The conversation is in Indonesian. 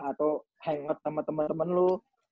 atau hangout sama temen temen lo